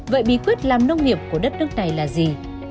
vậy bí quyết làm nông nghiệp của đất nước này là gì